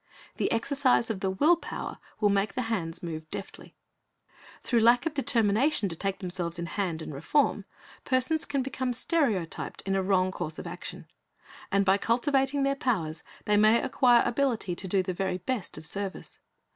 The exercise of the will power will make the hands move deftly. Through lack of determination to take themselves in hand and reform, persons can become stereotyped in a wrong course of action; or by cultivating their powers they may acquire ability to do the very best of service.